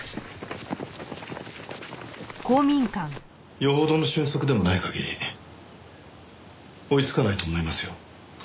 よほどの俊足でもない限り追いつかないと思いますよ。